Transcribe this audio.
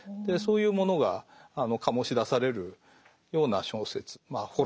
そういうものが醸し出されるような小説まあ